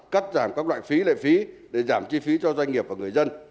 cắt giảm các loại phí lệ phí để giảm chi phí cho doanh nghiệp và người dân